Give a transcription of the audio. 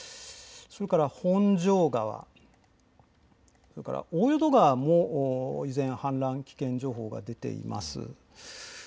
それから本庄川、大淀川も依然、氾濫危険情報が出ています。